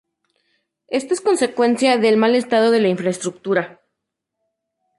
Esto es consecuencia del mal estado de la infraestructura.